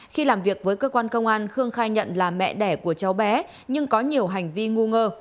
khi làm việc với cơ quan công an khương khai nhận là mẹ đẻ của cháu bé nhưng có nhiều hành vi ngu ngơ